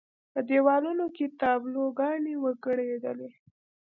په دېوالونو کې تابلو ګانې وکړپېدلې.